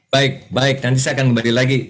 baik baik nanti saya akan kembali lagi